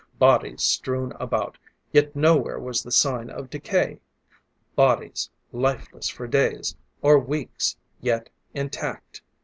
Bodies strewn about yet nowhere was there sign of decay! Bodies, lifeless for days, or weeks yet intact!